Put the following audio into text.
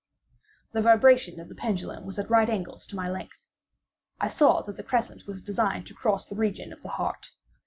The vibration of the pendulum was at right angles to my length. I saw that the crescent was designed to cross the region of the heart.